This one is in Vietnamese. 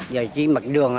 giờ chỉ mặc đường